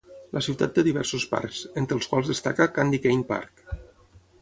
La ciutat té diversos parcs, entre els quals destaca Candy Cane Park.